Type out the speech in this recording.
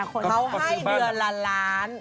เขาให้เดือนละล้าน